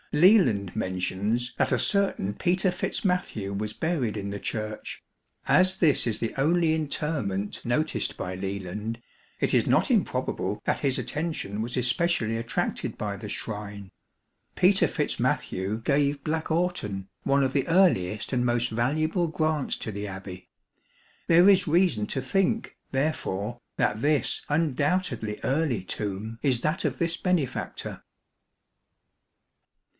Leland mentions that a certain Peter Fitz Matthew was buried in the Church. As this is the only interment noticed by Leland, it is not improbable that his attention was especially attracted by the shrine. Peter" Fitz Matthew gave Blackawton, one of the earliest and ,> most valuable grants to the Abbey. There is reason to think, therefore, that this undoubtedly early tomb is that of this benefactor.